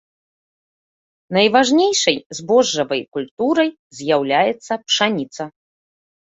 Найважнейшай збожжавай культурай з'яўляецца пшаніца.